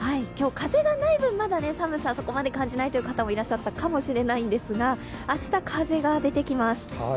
今日、風がない分、まだ寒さをそこまで感じないという人もいらっしゃったかもしれないですが、明日、風が出てきます。